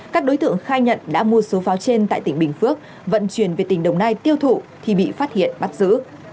các đối tượng khai nhận đã mua số pháo trên tại tỉnh bình phước vận chuyển về tỉnh đồng nai tiêu thụ thì bị phát hiện bắt giữ